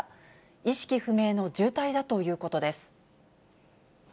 意識不明の重体だということです。